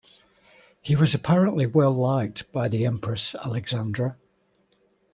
He was apparently well liked by the Empress Alexandra.